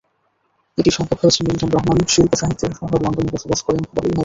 এটি সম্ভব হয়েছে মিলটন রহমান শিল্প-সাহিত্যের শহর লন্ডনে বসবাস করেন বলেই হয়তবা।